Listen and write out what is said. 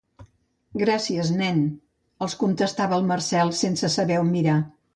Gràcies nen —els contestava el Marcel, sense saber on mirar.